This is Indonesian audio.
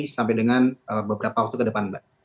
sampai dengan beberapa waktu ke depan mbak